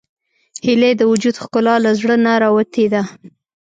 هیلۍ د وجود ښکلا له زړه نه راوتې ده